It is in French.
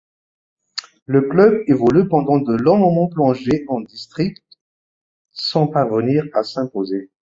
Le club évolue pendant de long moments plongées en district sans parvenir à s'imposer.